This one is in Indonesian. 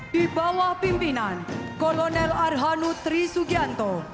di bawah pimpinan kolonel arhanud tri sugianto